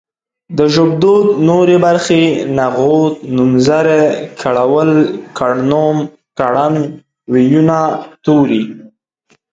د ژبدود نورې برخې نغوت نومځری کړول کړنوم کړند وييونه توري